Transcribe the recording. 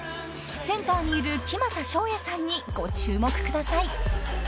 ［センターにいる木全翔也さんにご注目ください］